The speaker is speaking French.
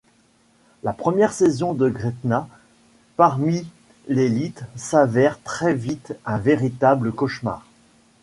La première saison de Gretna parmi l'élite s'avère très vite un véritable cauchemar.